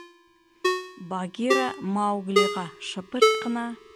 Багира Мауглиға шыпырт ҡына: